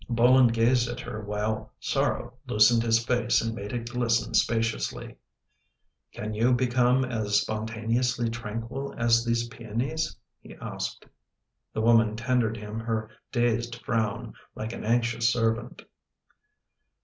Bolin gazed at her while sorrow loosened his face and made it glisten spaciously. " Can you become as spontaneously tranquil as these peonies? " he asked. The woman tendered him her dazed frown, like an anxious servant.